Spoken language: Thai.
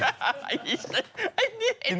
ไอ้นี่อิตาเล่น